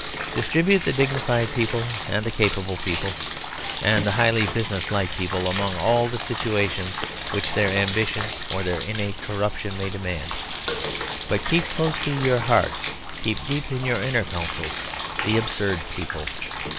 Distribute the dignified people and the capable people and the highly business like people among all the situations which their ambition or their innate corruption may demand; but keep close to your heart, keep deep in your inner councils the absurd people.